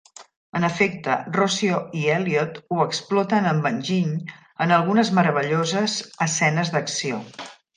En efecte, Rossio i Elliot ho exploten amb enginy en algunes meravelloses escenes d'acció.